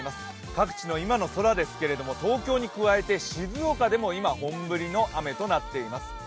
各地の今の空ですけれども、東京に加えて静岡でも今、本降りの雨となっています。